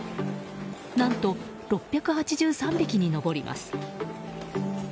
何と、６８３匹に上ります。